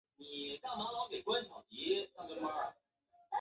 张茜是前香港亚洲电视艺员颜子菲的表姑姑。